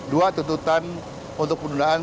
dua tuntutan untuk pendulaan